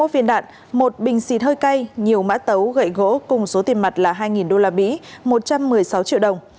hai mươi viên đạn một bình xịt hơi cay nhiều mã tấu gậy gỗ cùng số tiền mặt là hai usd một trăm một mươi sáu triệu đồng